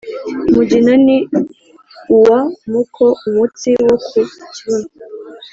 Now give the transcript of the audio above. Mugina ni uwa Muko-Umutsi wo ku kibuno.